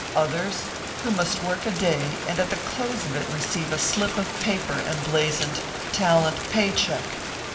" others who must work a day and at the close of it receive a slip of paper emblazoned 'Talent Pay Check.